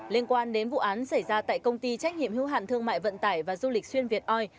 liên quan đến vụ án xảy ra tại công ty trách nhiệm hưu hạn thương mại vận tải và du lịch xuyên việt oi